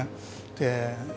で